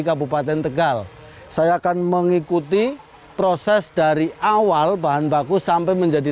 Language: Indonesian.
kabupaten tegal saya akan mengikuti proses dari awal bahan baku sampai menjadi